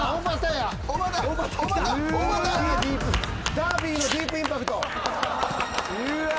ダービーのディープインパクト。